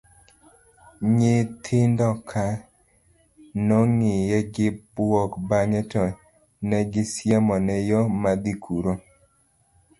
nyithindoka nong'iye gi buok bang'e to negisiemone yo madhi kuro